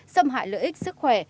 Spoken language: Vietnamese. xâm hại lợi ích sức khỏe